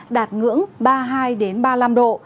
đạt ngưỡng ba mươi hai ba mươi năm độ